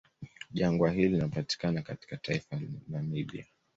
Jangwa hili linapatikana katika taifa la Namibia